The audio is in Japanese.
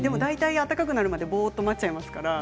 温かくなるまでボーッと待っちゃいますからね